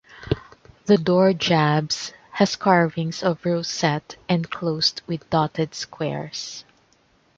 The door jabs has carvings of rosette enclosed with dotted squares.